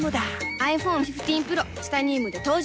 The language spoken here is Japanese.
ｉＰｈｏｎｅ１５Ｐｒｏ チタニウムで登場